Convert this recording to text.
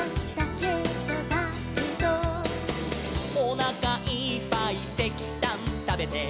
「」「おなかいっぱいせきたんたべて」